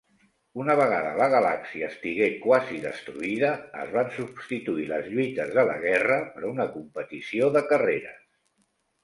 Una vegada la galàxia estigué quasi destruïda, es van substituir les lluites de la guerra per una competició de carreres.